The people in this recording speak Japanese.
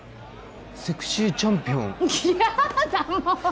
セクシーチャンピオン？やだ